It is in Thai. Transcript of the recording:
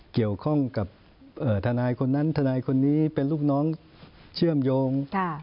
เกี่ยวข้องกับทนายคนนั้นทนายคนนี้เป็นลูกน้องเชื่อมโยง